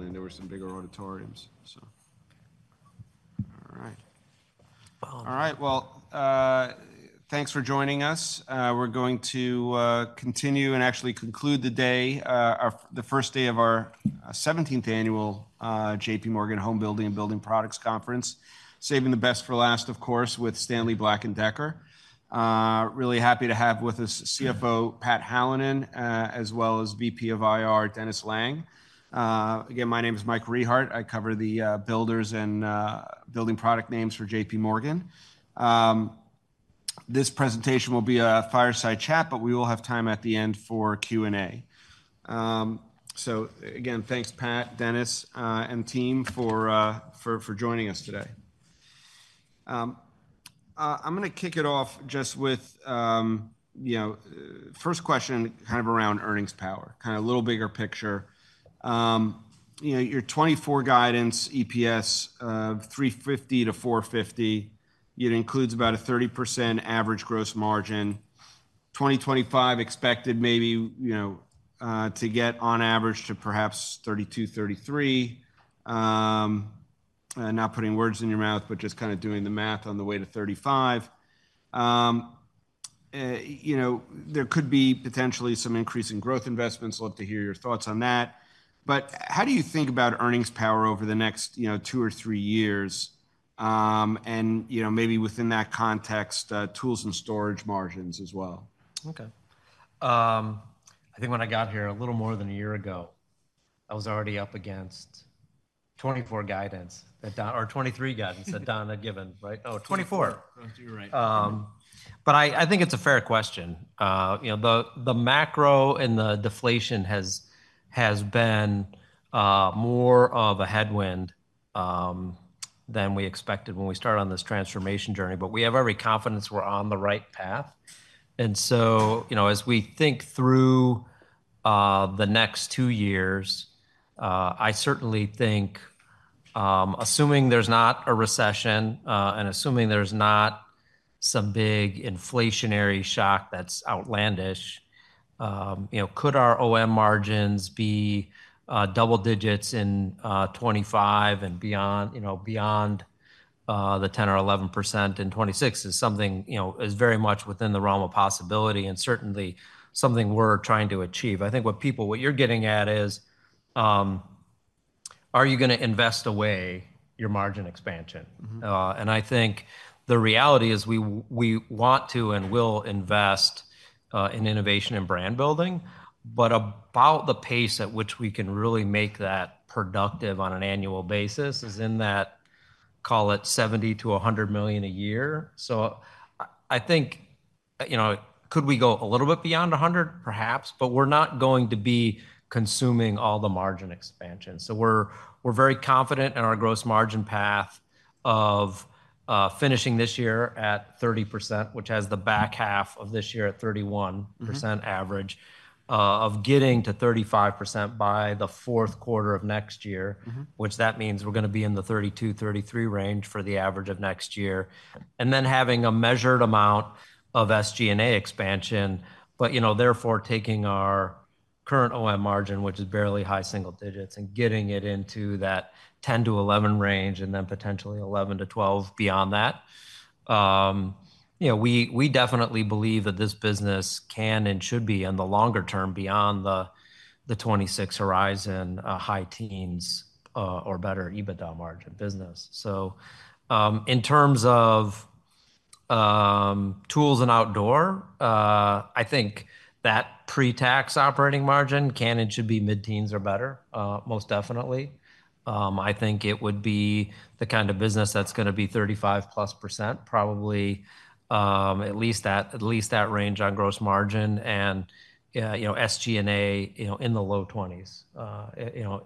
There were some bigger auditoriums, so. All right. All right, well, thanks for joining us. We're going to continue and actually conclude the day, the first day of our 17th annual J.P. Morgan Homebuilding and Building Products Conference, saving the best for last, of course, with Stanley Black & Decker. Really happy to have with us CFO Pat Hallinan as well as VP of IR Dennis Lange. Again, my name is Mike Rehaut. I cover the builders and building product names for J.P. Morgan. This presentation will be a fireside chat, but we will have time at the end for Q&A. So again, thanks, Pat, Dennis, and team for joining us today. I'm going to kick it off just with first question kind of around earnings power, kind of a little bigger picture. Your 2024 guidance EPS of $3.50-$4.50, it includes about a 30% average gross margin. 2025 expected maybe to get on average to perhaps 32, 33. Not putting words in your mouth, but just kind of doing the math on the way to 35. There could be potentially some increase in growth investments. Love to hear your thoughts on that. But how do you think about earnings power over the next two or three years? And maybe within that context, tools and storage margins as well. Okay. I think when I got here a little more than a year ago, I was already up against 2024 guidance or 2023 guidance that Don had given, right? Oh, 2024. But I think it's a fair question. The macro and the deflation has been more of a headwind than we expected when we started on this transformation journey. But we have every confidence we're on the right path. And so as we think through the next two years, I certainly think assuming there's not a recession and assuming there's not some big inflationary shock that's outlandish, could our OM margins be double digits in 2025 and beyond the 10% or 11% in 2026 is something is very much within the realm of possibility and certainly something we're trying to achieve. I think what you're getting at is, are you going to invest away your margin expansion? And I think the reality is we want to and will invest in innovation and brand building. But about the pace at which we can really make that productive on an annual basis is in that, call it $70 million-$100 million a year. So I think could we go a little bit beyond 100? Perhaps. But we're not going to be consuming all the margin expansion. So we're very confident in our gross margin path of finishing this year at 30%, which has the back half of this year at 31% average, of getting to 35% by the fourth quarter of next year, which that means we're going to be in the 32%-33% range for the average of next year. Then having a measured amount of SG&A expansion, but therefore taking our current OM margin, which is barely high single digits, and getting it into that 10-11 range and then potentially 11-12 beyond that. We definitely believe that this business can and should be in the longer term beyond the 2026 horizon high teens or better EBITDA margin business. So in terms of tools and outdoor, I think that pre-tax operating margin can and should be mid-teens or better, most definitely. I think it would be the kind of business that's going to be 35%+, probably at least that range on gross margin and SG&A in the low 20s,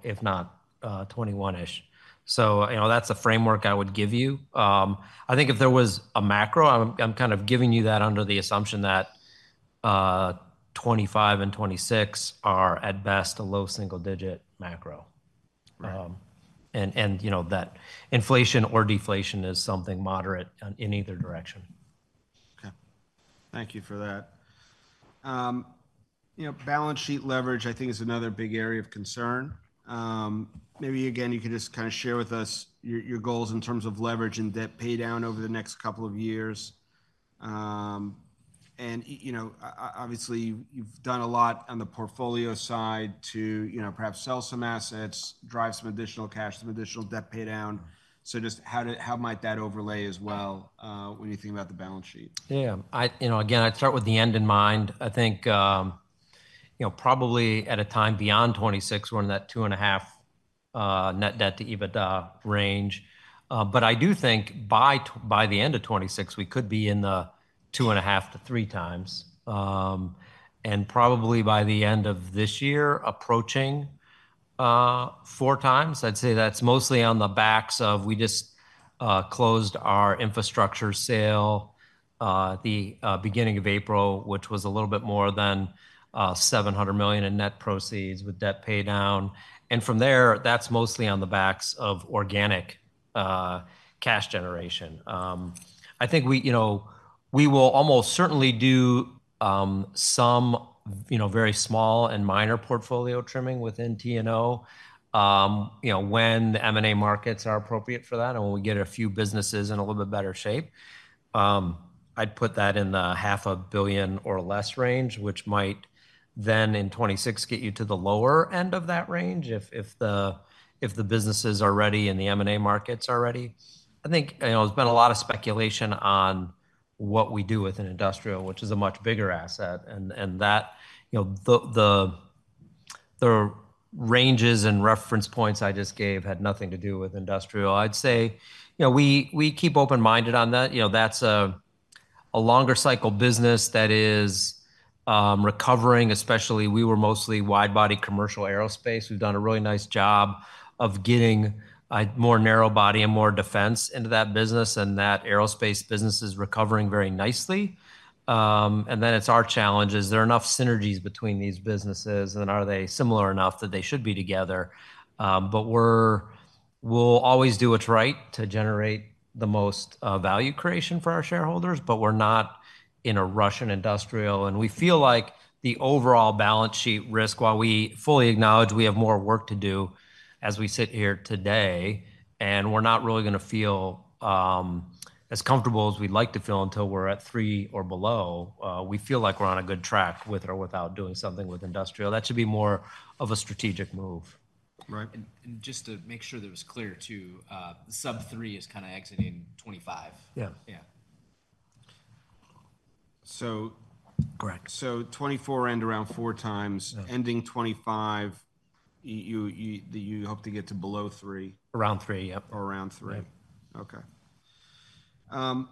if not 21-ish. So that's a framework I would give you. I think if there was a macro, I'm kind of giving you that under the assumption that 2025 and 2026 are at best a low single-digit macro. That inflation or deflation is something moderate in either direction. Okay. Thank you for that. Balance sheet leverage, I think, is another big area of concern. Maybe again, you could just kind of share with us your goals in terms of leverage and debt paydown over the next couple of years. And obviously, you've done a lot on the portfolio side to perhaps sell some assets, drive some additional cash, some additional debt paydown. So just how might that overlay as well when you think about the balance sheet? Yeah. Again, I'd start with the end in mind. I think probably at a time beyond 2026, we're in that 2.5 net debt to EBITDA range. But I do think by the end of 2026, we could be in the 2.5x-3x. And probably by the end of this year, approaching 4x, I'd say that's mostly on the backs of we just closed our infrastructure sale the beginning of April, which was a little bit more than $700 million in net proceeds with debt paydown. And from there, that's mostly on the backs of organic cash generation. I think we will almost certainly do some very small and minor portfolio trimming within T&O when the M&A markets are appropriate for that and when we get a few businesses in a little bit better shape. I'd put that in the $0.5 billion or less range, which might then in 2026 get you to the lower end of that range if the businesses are ready and the M&A markets are ready. I think there's been a lot of speculation on what we do with an industrial, which is a much bigger asset. And the ranges and reference points I just gave had nothing to do with industrial. I'd say we keep open-minded on that. That's a longer cycle business that is recovering. Especially, we were mostly wide-body commercial aerospace. We've done a really nice job of getting more narrow-body and more defense into that business. And that aerospace business is recovering very nicely. And then it's our challenge, is there enough synergies between these businesses? And are they similar enough that they should be together? But we'll always do what's right to generate the most value creation for our shareholders. But we're not in a recession in industrial. And we feel like the overall balance sheet risk, while we fully acknowledge we have more work to do as we sit here today, and we're not really going to feel as comfortable as we'd like to feel until we're at 3 or below, we feel like we're on a good track with or without doing something with industrial. That should be more of a strategic move. Right. And just to make sure that was clear too, sub-3 is kind of exiting 25. Yeah. So, 2024 end around 4x. Ending 2025, you hope to get to below 3. Around 3, yep. Around 3. Okay. One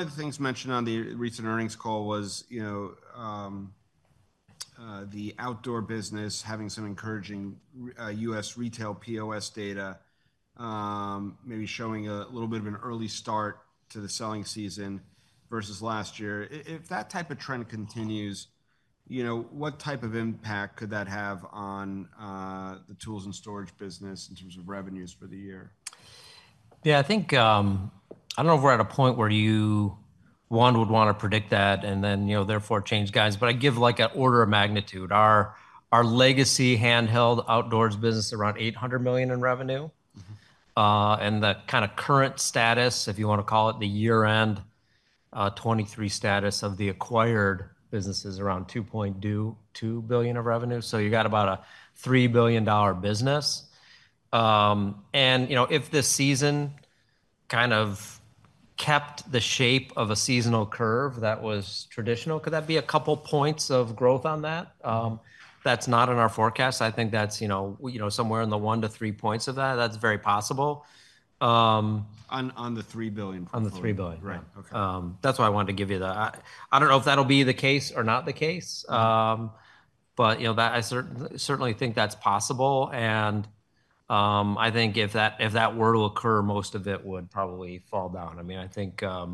of the things mentioned on the recent earnings call was the outdoor business having some encouraging US retail POS data, maybe showing a little bit of an early start to the selling season versus last year. If that type of trend continues, what type of impact could that have on the tools and storage business in terms of revenues for the year? Yeah. I don't know if we're at a point where one would want to predict that and then therefore change guidance. But I'd give an order of magnitude. Our legacy handheld outdoors business, around $800 million in revenue. The kind of current status, if you want to call it, the year-end 2023 status of the acquired business is around $2.2 billion of revenue. So you got about a $3 billion business. And if this season kind of kept the shape of a seasonal curve that was traditional, could that be a couple points of growth on that? That's not in our forecast. I think that's somewhere in the 1-3 points of that. That's very possible. On the $3 billion portfolio. On the $3 billion. Right. Okay. That's why I wanted to give you that. I don't know if that'll be the case or not the case. But I certainly think that's possible. And I think if that were to occur, most of it would probably fall down. I mean, I think at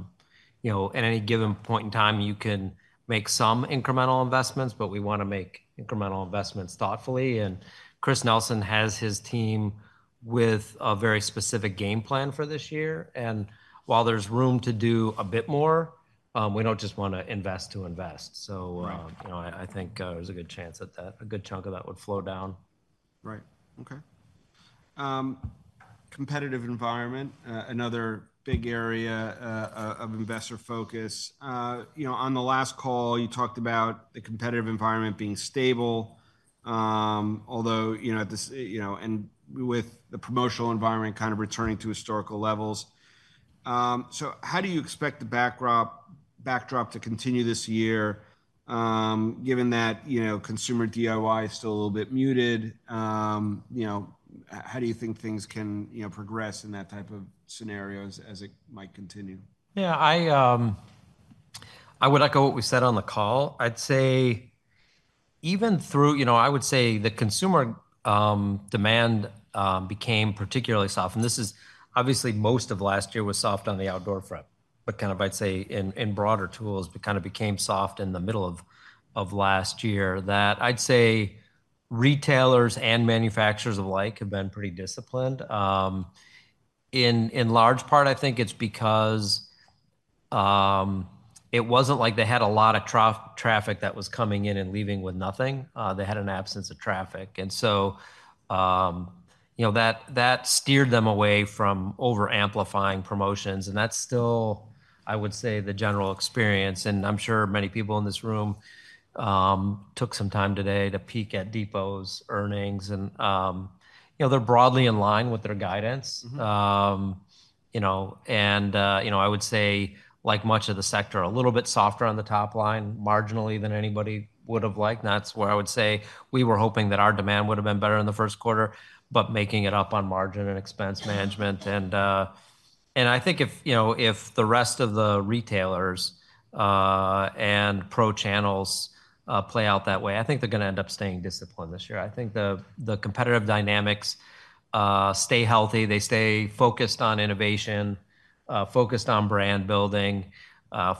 any given point in time, you can make some incremental investments. But we want to make incremental investments thoughtfully. And Chris Nelson has his team with a very specific game plan for this year. And while there's room to do a bit more, we don't just want to invest to invest. So I think there's a good chance that a good chunk of that would flow down. Right. Okay. Competitive environment, another big area of investor focus. On the last call, you talked about the competitive environment being stable, although and with the promotional environment kind of returning to historical levels. So how do you expect the backdrop to continue this year, given that consumer DIY is still a little bit muted? How do you think things can progress in that type of scenario as it might continue? Yeah. I would echo what we said on the call. I'd say even though I would say the consumer demand became particularly soft. And this is obviously, most of last year was soft on the outdoor front. But kind of I'd say in broader tools, it kind of became soft in the middle of last year that I'd say retailers and manufacturers alike have been pretty disciplined. In large part, I think it's because it wasn't like they had a lot of traffic that was coming in and leaving with nothing. They had an absence of traffic. And so that steered them away from over-amplifying promotions. And that's still, I would say, the general experience. And I'm sure many people in this room took some time today to peek at Depot's earnings. And they're broadly in line with their guidance. I would say, like much of the sector, a little bit softer on the top line, marginally than anybody would have liked. That's where I would say we were hoping that our demand would have been better in the first quarter, but making it up on margin and expense management. I think if the rest of the retailers and pro channels play out that way, I think they're going to end up staying disciplined this year. I think the competitive dynamics stay healthy. They stay focused on innovation, focused on brand building,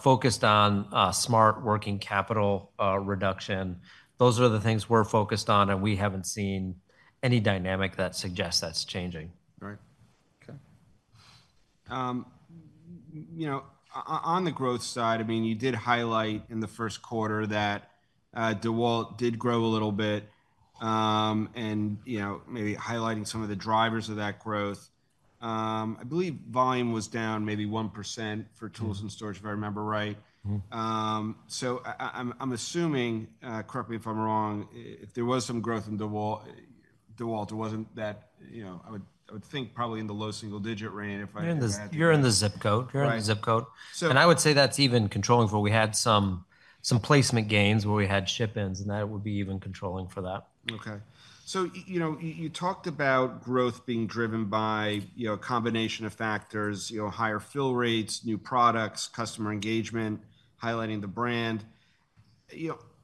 focused on smart working capital reduction. Those are the things we're focused on. We haven't seen any dynamic that suggests that's changing. Right. Okay. On the growth side, I mean, you did highlight in the first quarter that DEWALT did grow a little bit. And maybe highlighting some of the drivers of that growth, I believe volume was down maybe 1% for tools and storage, if I remember right. So I'm assuming, correct me if I'm wrong, if there was some growth in DEWALT, it wasn't that I would think probably in the low single digit range. You're in the zip code. You're in the zip code. And I would say that's even controlling for we had some placement gains where we had ship-ins. And that would be even controlling for that. Okay. So you talked about growth being driven by a combination of factors: higher fill rates, new products, customer engagement, highlighting the brand.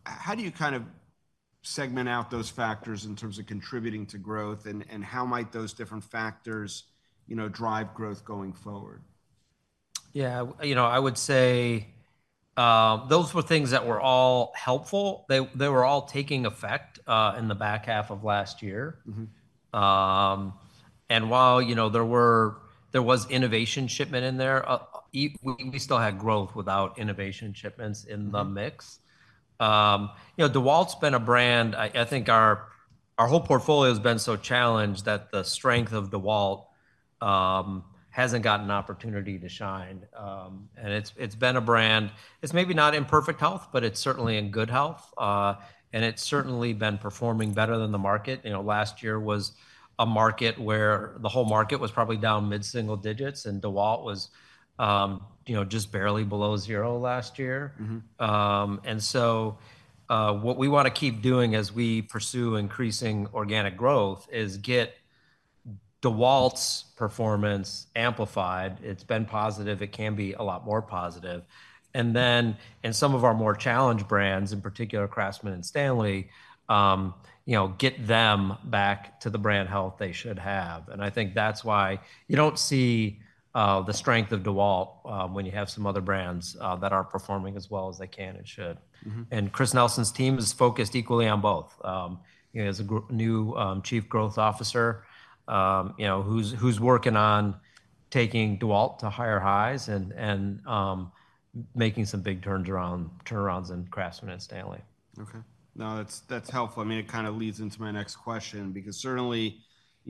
How do you kind of segment out those factors in terms of contributing to growth? And how might those different factors drive growth going forward? Yeah. I would say those were things that were all helpful. They were all taking effect in the back half of last year. And while there was innovation shipment in there, we still had growth without innovation shipments in the mix. DEWALT's been a brand I think our whole portfolio has been so challenged that the strength of DEWALT hasn't gotten an opportunity to shine. And it's been a brand it's maybe not in perfect health, but it's certainly in good health. And it's certainly been performing better than the market. Last year was a market where the whole market was probably down mid-single digits. And DEWALT was just barely below zero last year. And so what we want to keep doing as we pursue increasing organic growth is get DEWALT's performance amplified. It's been positive. It can be a lot more positive. And then in some of our more challenged brands, in particular CRAFTSMAN and STANLEY, get them back to the brand health they should have. And I think that's why you don't see the strength of DEWALT when you have some other brands that are performing as well as they can and should. And Chris Nelson's team is focused equally on both. He has a new chief growth officer who's working on taking DEWALT to higher highs and making some big turnarounds in CRAFTSMAN and STANLEY. Okay. No, that's helpful. I mean, it kind of leads into my next question because certainly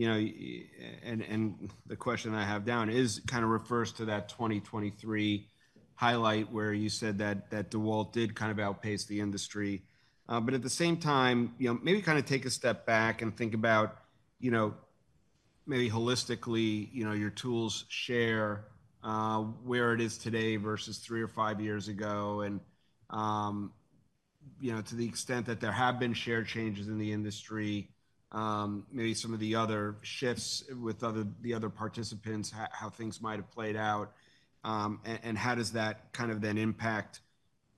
and the question I have down kind of refers to that 2023 highlight where you said that DEWALT did kind of outpace the industry. But at the same time, maybe kind of take a step back and think about maybe holistically, your tools share where it is today versus three or five years ago. And to the extent that there have been shared changes in the industry, maybe some of the other shifts with the other participants, how things might have played out. And how does that kind of then impact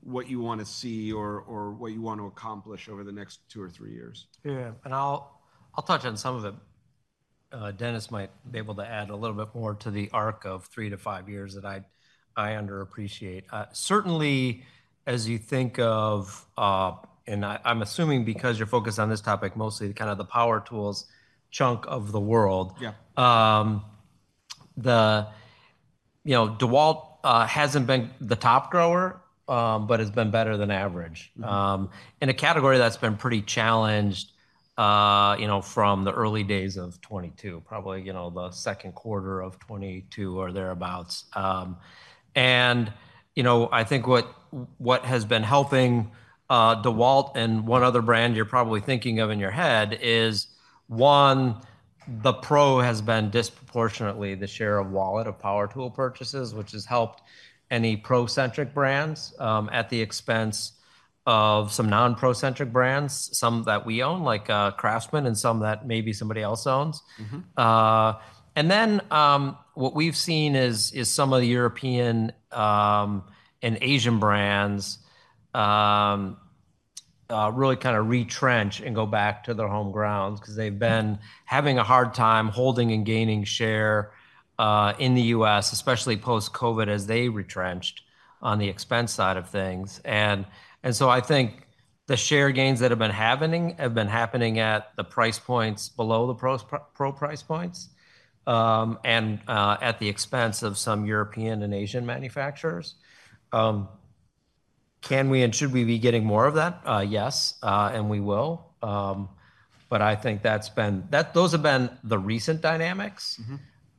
what you want to see or what you want to accomplish over the next two or three years? Yeah. And I'll touch on some of it. Dennis might be able to add a little bit more to the arc of 3-5 years that I underappreciate. Certainly, as you think of and I'm assuming because you're focused on this topic mostly, kind of the power tools chunk of the world, DEWALT hasn't been the top grower but has been better than average in a category that's been pretty challenged from the early days of 2022, probably the second quarter of 2022 or thereabouts. And I think what has been helping DEWALT and one other brand you're probably thinking of in your head is, one, the pro has been disproportionately the share of wallet of power tool purchases, which has helped any pro-centric brands at the expense of some non-pro-centric brands, some that we own like CRAFTSMAN and some that maybe somebody else owns. And then what we've seen is some of the European and Asian brands really kind of retrench and go back to their home grounds because they've been having a hard time holding and gaining share in the U.S., especially post-COVID, as they retrenched on the expense side of things. And so I think the share gains that have been happening have been happening at the price points below the pro price points and at the expense of some European and Asian manufacturers. Can we and should we be getting more of that? Yes, and we will. But I think those have been the recent dynamics.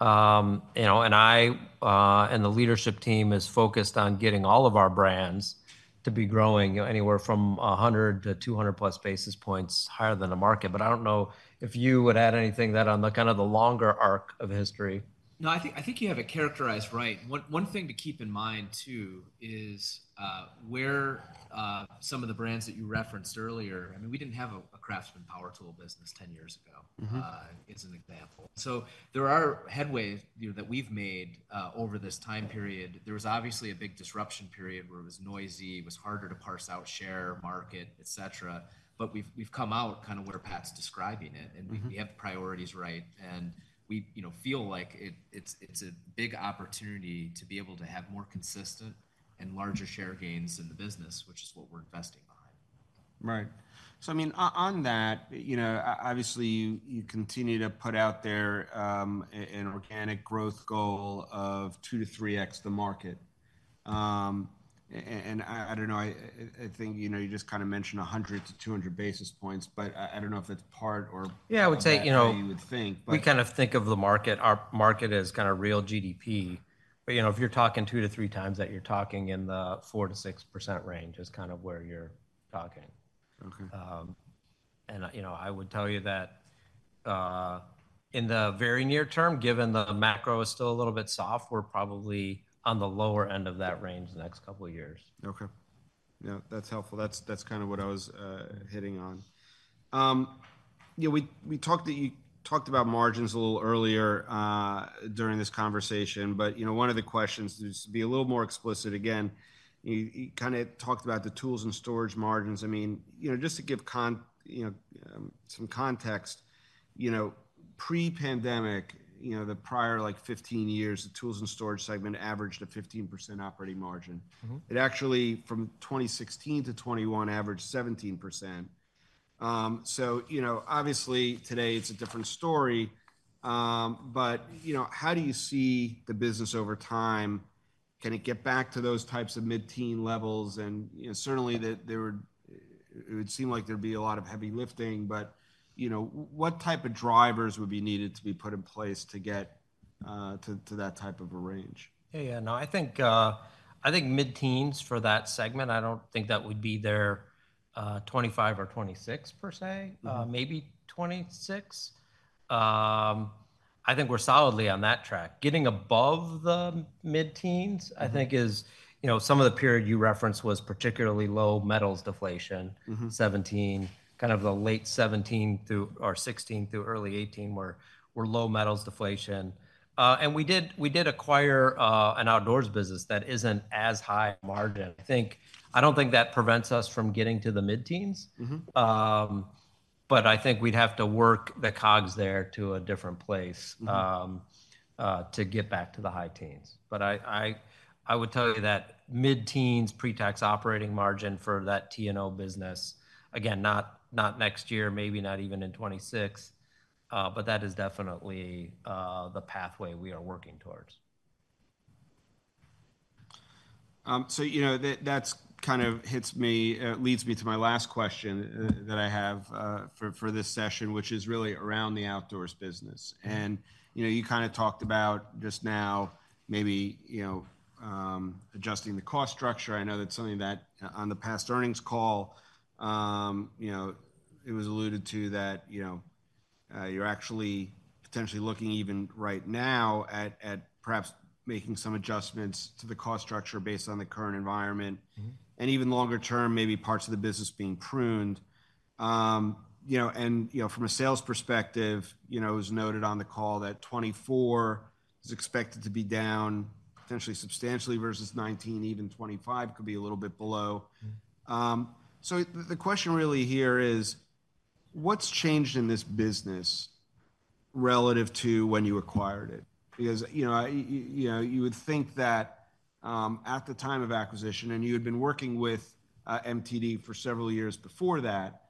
And the leadership team is focused on getting all of our brands to be growing anywhere from 100-200+ basis points higher than the market. But I don't know if you would add anything to that on kind of the longer arc of history. No, I think you have it characterized right. One thing to keep in mind too is where some of the brands that you referenced earlier I mean, we didn't have a CRAFTSMAN power tool business 10 years ago as an example. So there are headways that we've made over this time period. There was obviously a big disruption period where it was noisy, it was harder to parse out share, market, etc. But we've come out kind of where Pat's describing it. And we have priorities right. And we feel like it's a big opportunity to be able to have more consistent and larger share gains in the business, which is what we're investing behind. Right. So I mean, on that, obviously, you continue to put out there an organic growth goal of 2-3x the market. And I don't know. I think you just kind of mentioned 100-200 basis points. But I don't know if that's part or. Yeah. I would say. Of what you would think, but. We kind of think of the market, our market, as kind of real GDP. But if you're talking 2-3 times that, you're talking in the 4%-6% range, is kind of where you're talking. And I would tell you that in the very near term, given the macro is still a little bit soft, we're probably on the lower end of that range the next couple of years. Okay. Yeah. That's helpful. That's kind of what I was hitting on. We talked about margins a little earlier during this conversation. But one of the questions to be a little more explicit again, you kind of talked about the tools and storage margins. I mean, just to give some context, pre-pandemic, the prior 15 years, the tools and storage segment averaged a 15% operating margin. It actually, from 2016 to 2021, averaged 17%. So obviously, today, it's a different story. But how do you see the business over time? Can it get back to those types of mid-teen levels? And certainly, it would seem like there'd be a lot of heavy lifting. But what type of drivers would be needed to be put in place to get to that type of a range? Yeah. Yeah. No, I think mid-teens for that segment. I don't think that would be their 2025 or 2026 per se, maybe 2026. I think we're solidly on that track. Getting above the mid-teens, I think, is some of the period you referenced was particularly low metals deflation, kind of the late 2017 through or 2016 through early 2018 where we're low metals deflation. And we did acquire an outdoors business that isn't as high margin. I don't think that prevents us from getting to the mid-teens. But I think we'd have to work the COGS there to a different place to get back to the high teens. But I would tell you that mid-teens pre-tax operating margin for that T&O business, again, not next year, maybe not even in 2026. But that is definitely the pathway we are working towards. So that kind of leads me to my last question that I have for this session, which is really around the outdoors business. And you kind of talked about just now maybe adjusting the cost structure. I know that's something that on the past earnings call, it was alluded to that you're actually potentially looking even right now at perhaps making some adjustments to the cost structure based on the current environment and even longer term, maybe parts of the business being pruned. And from a sales perspective, it was noted on the call that 2024 is expected to be down potentially substantially versus 2019, even 2025 could be a little bit below. So the question really here is, what's changed in this business relative to when you acquired it? Because you would think that at the time of acquisition and you had been working with MTD for several years before that.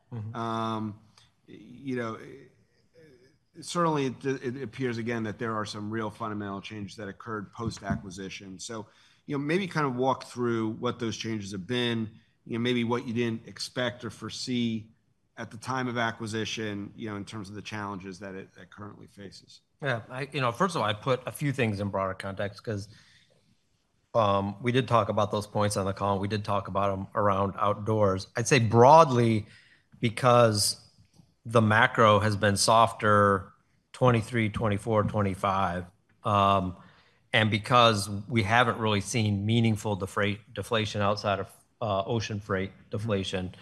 Certainly, it appears again that there are some real fundamental changes that occurred post-acquisition. So maybe kind of walk through what those changes have been, maybe what you didn't expect or foresee at the time of acquisition in terms of the challenges that it currently faces. Yeah. First of all, I put a few things in broader context because we did talk about those points on the call. We did talk about them around outdoors, I'd say broadly because the macro has been softer 2023, 2024, 2025 and because we haven't really seen meaningful deflation outside of ocean freight deflation.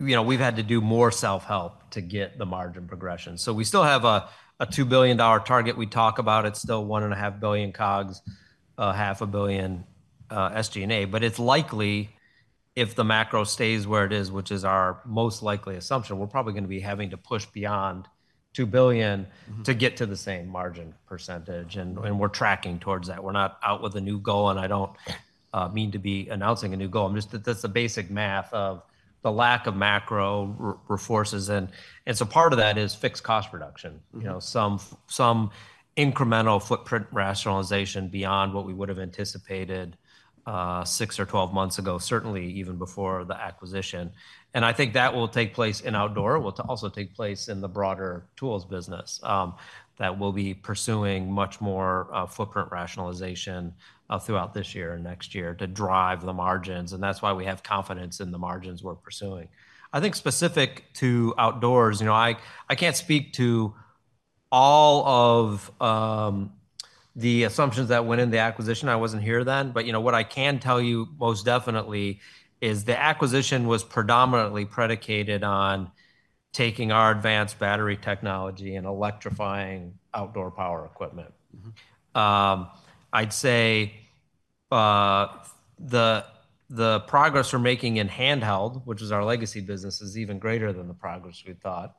We've had to do more self-help to get the margin progression. So we still have a $2 billion target. We talk about it's still $1.5 billion COGS, $0.5 billion SG&A. But it's likely if the macro stays where it is, which is our most likely assumption, we're probably going to be having to push beyond $2 billion to get to the same margin percentage. We're tracking towards that. We're not out with a new goal. I don't mean to be announcing a new goal. That's the basic math of the lack of macro forces. And so part of that is fixed cost reduction, some incremental footprint rationalization beyond what we would have anticipated 6 or 12 months ago, certainly even before the acquisition. And I think that will take place in outdoor. It will also take place in the broader tools business that will be pursuing much more footprint rationalization throughout this year and next year to drive the margins. And that's why we have confidence in the margins we're pursuing. I think specific to outdoors, I can't speak to all of the assumptions that went in the acquisition. I wasn't here then. But what I can tell you most definitely is the acquisition was predominantly predicated on taking our advanced battery technology and electrifying outdoor power equipment. I'd say the progress we're making in handheld, which is our legacy business, is even greater than the progress we thought.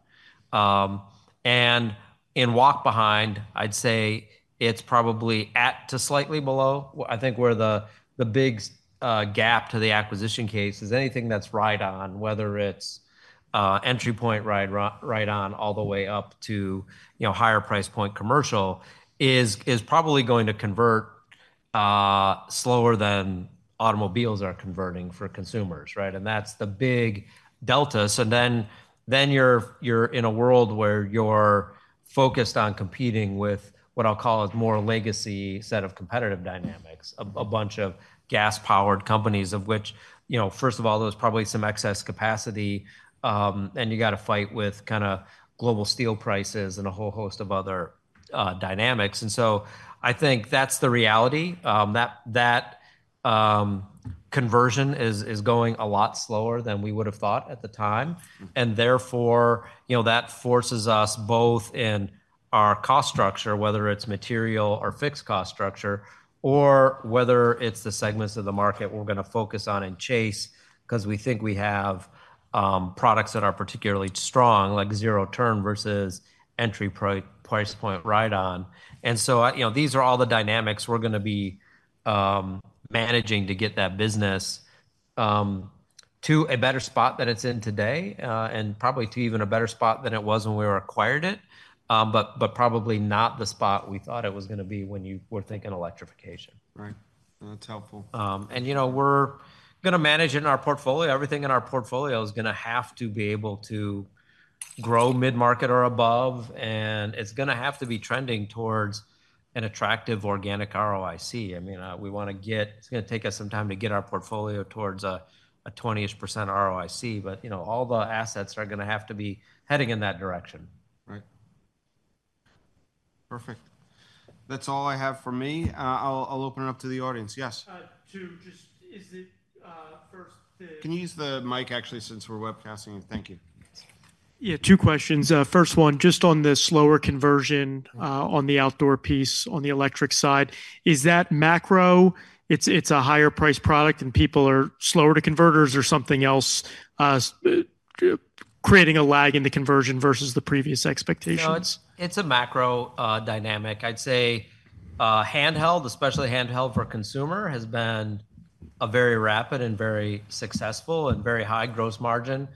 And in walk behind, I'd say it's probably at par to slightly below. I think where the big gap to the acquisition case is anything that's ride-on, whether it's entry point ride-on all the way up to higher price point commercial, is probably going to convert slower than automobiles are converting for consumers, right? And that's the big delta. So then you're in a world where you're focused on competing with what I'll call a more legacy set of competitive dynamics, a bunch of gas-powered companies, of which, first of all, there's probably some excess capacity. And you got to fight with kind of global steel prices and a whole host of other dynamics. And so I think that's the reality. That conversion is going a lot slower than we would have thought at the time. And therefore, that forces us both in our cost structure, whether it's material or fixed cost structure or whether it's the segments of the market we're going to focus on and chase because we think we have products that are particularly strong like zero-turn versus entry price point ride-on. And so these are all the dynamics we're going to be managing to get that business to a better spot than it's in today and probably to even a better spot than it was when we acquired it but probably not the spot we thought it was going to be when you were thinking electrification. Right. That's helpful. We're going to manage in our portfolio. Everything in our portfolio is going to have to be able to grow mid-market or above. It's going to have to be trending towards an attractive organic ROIC. I mean, we want to get it's going to take us some time to get our portfolio towards a 20-ish% ROIC. But all the assets are going to have to be heading in that direction. Right. Perfect. That's all I have for me. I'll open it up to the audience. Yes. Is it first the? Can you use the mic, actually, since we're webcasting? Thank you. Yeah. Two questions. First one, just on the slower conversion on the outdoor piece, on the electric side, is that macro? It's a higher-priced product. And people are slower to convert. Or is there something else creating a lag in the conversion versus the previous expectations? No. It's a macro dynamic. I'd say handheld, especially handheld for consumer, has been a very rapid and very successful and very high gross margin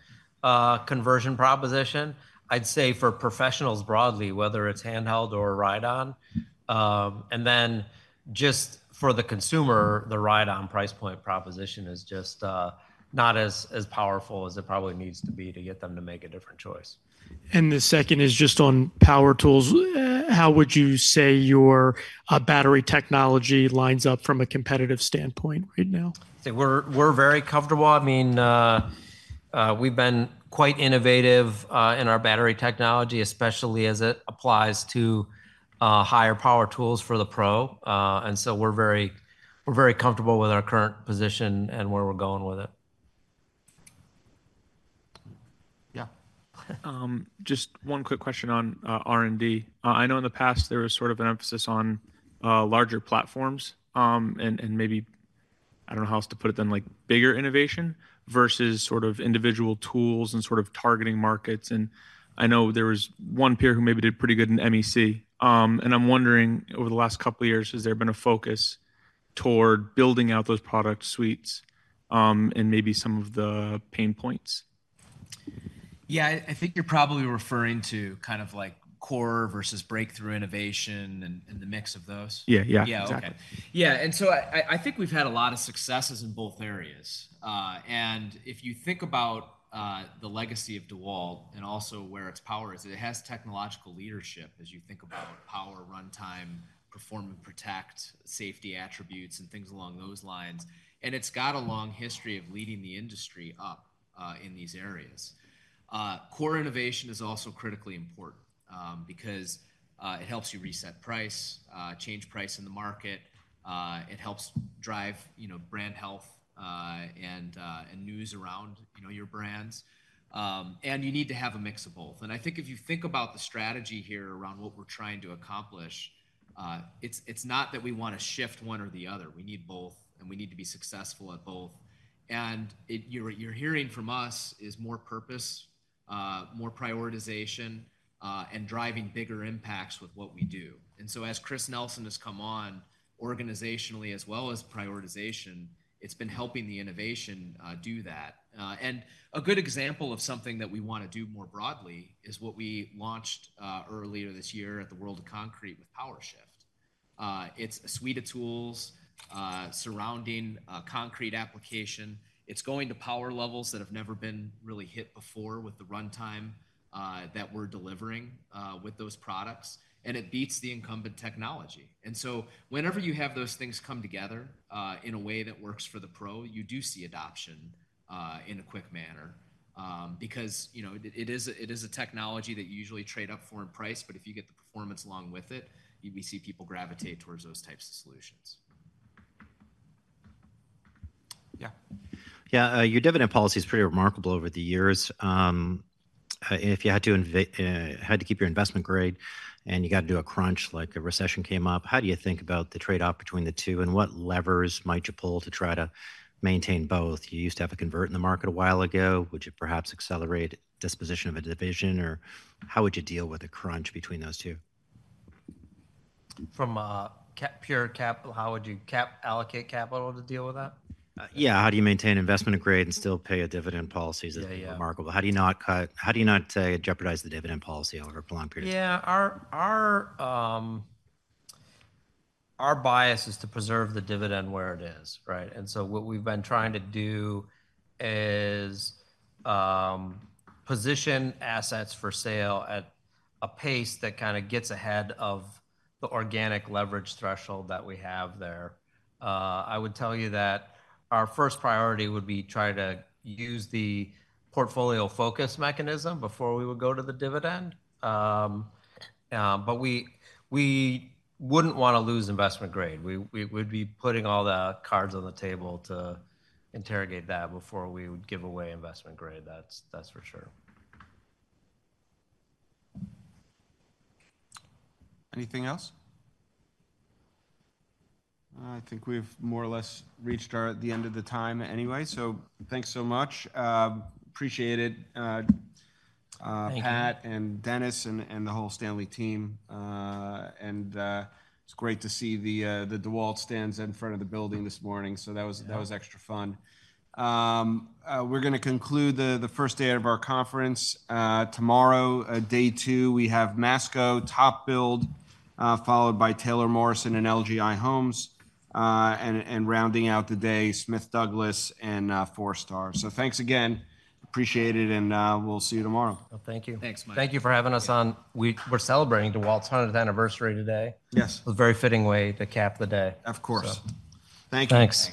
conversion proposition, I'd say, for professionals broadly, whether it's handheld or ride-on. And then just for the consumer, the ride-on price point proposition is just not as powerful as it probably needs to be to get them to make a different choice. The second is just on power tools. How would you say your battery technology lines up from a competitive standpoint right now? I'd say we're very comfortable. I mean, we've been quite innovative in our battery technology, especially as it applies to higher power tools for the pro. And so we're very comfortable with our current position and where we're going with it. Yeah. Just one quick question on R&D. I know in the past, there was sort of an emphasis on larger platforms and maybe I don't know how else to put it than bigger innovation versus sort of individual tools and sort of targeting markets. I know there was one peer who maybe did pretty good in MX. I'm wondering, over the last couple of years, has there been a focus toward building out those product suites and maybe some of the pain points? Yeah. I think you're probably referring to kind of core versus breakthrough innovation and the mix of those. Yeah. Yeah. Exactly. Yeah. Yeah. And so I think we've had a lot of successes in both areas. And if you think about the legacy of DEWALT and also where its power is, it has technological leadership as you think about power, runtime, performance, protect, safety attributes, and things along those lines. And it's got a long history of leading the industry up in these areas. Core innovation is also critically important because it helps you reset price, change price in the market. It helps drive brand health and news around your brands. And you need to have a mix of both. And I think if you think about the strategy here around what we're trying to accomplish, it's not that we want to shift one or the other. We need both. And we need to be successful at both. And what you're hearing from us is more purpose, more prioritization, and driving bigger impacts with what we do. And so as Chris Nelson has come on organizationally as well as prioritization, it's been helping the innovation do that. And a good example of something that we want to do more broadly is what we launched earlier this year at the World of Concrete with PowerShift. It's a suite of tools surrounding concrete application. It's going to power levels that have never been really hit before with the runtime that we're delivering with those products. And it beats the incumbent technology. And so whenever you have those things come together in a way that works for the pro, you do see adoption in a quick manner because it is a technology that you usually trade up for in price. But if you get the performance along with it, we see people gravitate towards those types of solutions. Yeah. Yeah. Your dividend policy is pretty remarkable over the years. If you had to keep your investment grade and you got to do a crunch like a recession came up, how do you think about the trade-off between the two? What levers might you pull to try to maintain both? You used to have a convert in the market a while ago. Would you perhaps accelerate disposition of a division? Or how would you deal with a crunch between those two? From pure capital, how would you allocate capital to deal with that? Yeah. How do you maintain investment grade and still pay a dividend policy? That's remarkable. How do you not, say, jeopardize the dividend policy over prolonged periods? Yeah. Our bias is to preserve the dividend where it is, right? And so what we've been trying to do is position assets for sale at a pace that kind of gets ahead of the organic leverage threshold that we have there. I would tell you that our first priority would be trying to use the portfolio focus mechanism before we would go to the dividend. But we wouldn't want to lose investment grade. We would be putting all the cards on the table to interrogate that before we would give away investment grade. That's for sure. Anything else? I think we've more or less reached the end of the time anyway. So thanks so much. Appreciate it, Pat and Dennis and the whole Stanley team. And it's great to see the DEWALT stands in front of the building this morning. So that was extra fun. We're going to conclude the first day of our conference. Tomorrow, day two, we have Masco, TopBuild, followed by Taylor Morrison and LGI Homes. And rounding out the day, Smith Douglas and Forestar. So thanks again. Appreciate it. And we'll see you tomorrow. Well, thank you. Thanks, Mike. Thank you for having us on. We're celebrating DEWALT's 100th anniversary today. Yes. It was a very fitting way to cap the day. Of course. Thank you. Thanks.